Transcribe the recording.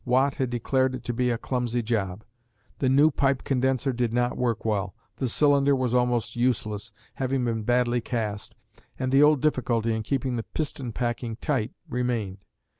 Watt had declared it to be a "clumsy job." The new pipe condenser did not work well, the cylinder was almost useless, having been badly cast, and the old difficulty in keeping the piston packing tight remained.